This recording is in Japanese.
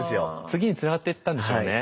次につながっていったんでしょうね。